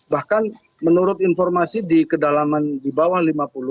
bahkan menurut informasi di kedalaman di bawah lima puluh